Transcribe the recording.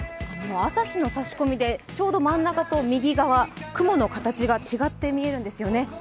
朝日の差し込みでちょうど真ん中と右側雲の形が違って見えるんですよね。